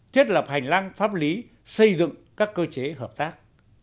thiết lập hành lang pháp lý xây dựng các cơ chế hợp tác